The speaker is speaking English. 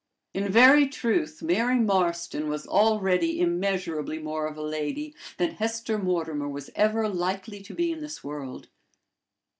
In very truth, Mary Marston was already immeasurably more of a lady than Hesper Mortimer was ever likely to be in this world.